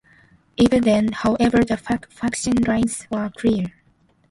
Even then, however, the faction lines were clear.